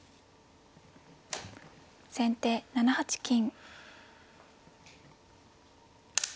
先手７八金。